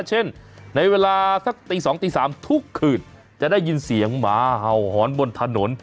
เช่นในเวลาสักตี๒ตี๓ทุกคืนจะได้ยินเสียงหมาเห่าหอนบนถนน